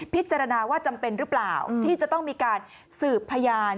พิจารณาว่าจำเป็นหรือเปล่าที่จะต้องมีการสืบพยาน